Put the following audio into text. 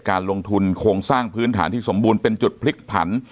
การลงทุนโครงสร้างพื้นฐานที่สมบูรณ์เป็นจุดพลิกผัน